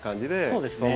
そうですね。